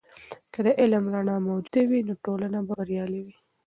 که د علم رڼا موجوده وي، نو ټولنه به بریالۍ وي.